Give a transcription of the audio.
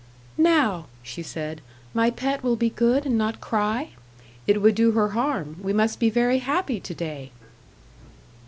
"Now," she said, "my pet will be good and not cry? It would do her harm. We must be very happy to day."